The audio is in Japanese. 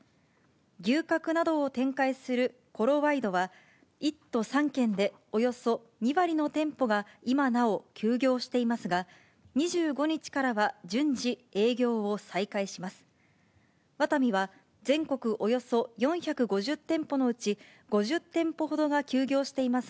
牛角などを展開するコロワイドは、１都３県でおよそ２割の店舗が今なお休業していますが、２５日からは順次、営業を再開します。